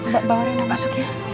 bawa bawa rena masuk ya